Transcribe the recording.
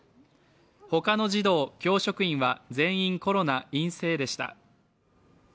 ほかの児童・教職員は全員コロナ陰性でした。